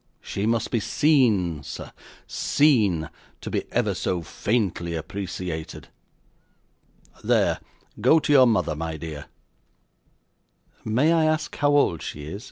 She must be seen, sir seen to be ever so faintly appreciated. There; go to your mother, my dear.' 'May I ask how old she is?